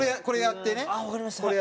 これやって。